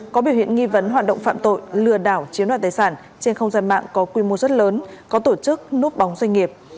có biểu hiện nghi vấn hoạt động phạm tội lừa đảo chiếm đoạt tài sản trên không gian mạng có quy mô rất lớn có tổ chức núp bóng doanh nghiệp